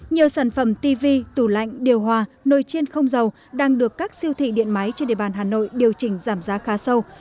nhiều sản phẩm tv tủ lạnh điều hòa nồi chiên không dầu đang được các siêu thị điện máy trên địa bàn hà nội điều chỉnh giảm giá khá sâu